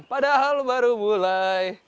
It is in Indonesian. padahal baru mulai